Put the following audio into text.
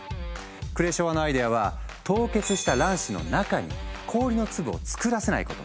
クレショワのアイデアは凍結した卵子の中に氷の粒を作らせないこと。